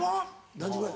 何時ぐらい。